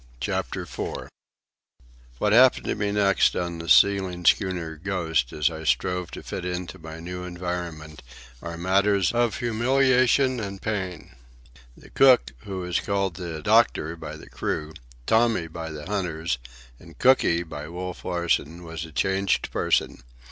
CHAPTER IV What happened to me next on the sealing schooner Ghost, as I strove to fit into my new environment, are matters of humiliation and pain. The cook, who was called "the doctor" by the crew, "Tommy" by the hunters, and "Cooky" by Wolf Larsen, was a changed person.